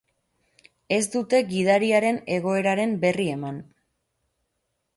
Ez dute gidariaren egoeraren berri eman.